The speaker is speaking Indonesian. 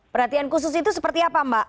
perhatian khusus itu seperti apa mbak